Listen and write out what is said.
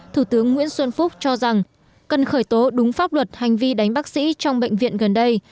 thủ tướng nguyễn xuân phúc cho rằng cần khởi tố đúng pháp luật hành vi đánh bác sĩ trong bệnh viện gần đây